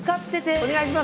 お願いします。